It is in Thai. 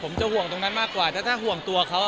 ผมจะห่วงตรงนั้นมากกว่าถ้าห่วงตัวเขา